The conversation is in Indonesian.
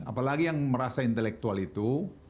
apalagi yang merasa intelektual itu